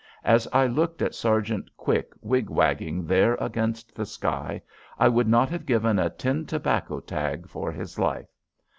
As I looked at Sergeant Quick wig wagging there against the sky, I would not have given a tin tobacco tag for his life.